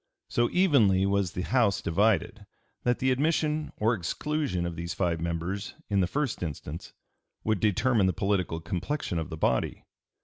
So evenly was the House divided that the admission or exclusion of these five members in the first instance would determine the political complexion of the body.